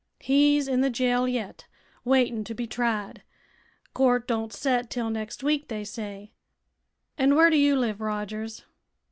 "He's in the jail yet, waitin' to be tried. Court don't set till next week, they say." "And where do you live, Rogers?"